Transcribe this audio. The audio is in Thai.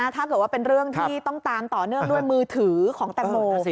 ถ้าเกิดว่าเป็นเรื่องที่ต้องตามต่อเนื่องด้วยมือถือของแตงโม